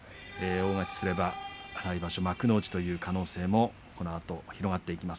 大勝ちすれば来場所幕内という可能性もこのあと広がってきます。